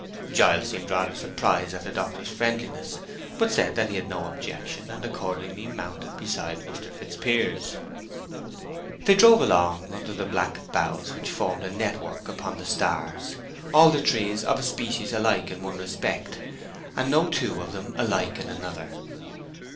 Giles seemed rather surprised at the doctor's friendliness, but said that he had no objection, and accordingly mounted beside Mr. Fitzpiers. They drove along under the black boughs which formed a network upon the stars, all the trees of a species alike in one respect, and no two of them alike in another.